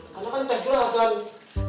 karena kan teh keras gan